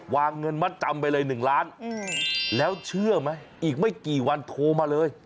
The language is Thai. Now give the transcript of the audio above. วางเงินมัดจำไปเลย๑ล้านแล้วเชื่อไหมอีกไม่กี่วันโทรมาเลย